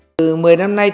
từ một mươi năm nay